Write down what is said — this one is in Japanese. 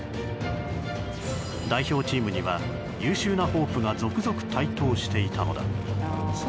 代表チームには優秀なホープが続々と台頭していたのだ。